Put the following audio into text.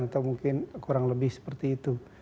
atau mungkin kurang lebih seperti itu